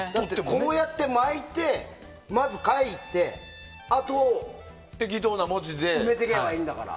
こうやって巻いて書いてあと、埋めていけばいいんだから。